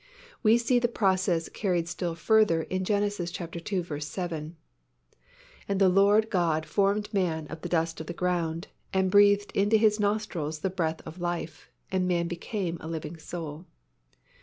We see the process carried still further in Gen. ii. 7, "And the LORD God formed man of the dust of the ground, and breathed into his nostrils the breath of life; and man became a living soul."